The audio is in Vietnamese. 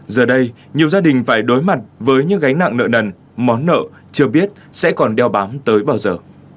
giờ đây nhiều gia đình phải đối mặt với những gánh nặng nợ nần món nợ chưa biết sẽ còn đeo bám tới bao giờ